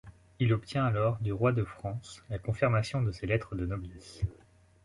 Il obtient alors du Roi de France, la confirmation de ses lettres de noblesse.